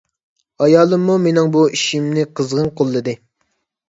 ئايالىممۇ مېنىڭ بۇ ئىشىمنى قىزغىن قوللىدى.